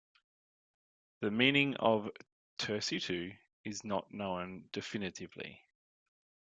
The meaning of "tersitu" is not known definitively.